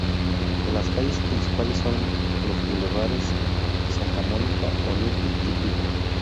Las calles principales son los bulevares Santa Mónica, Olympic y Pico.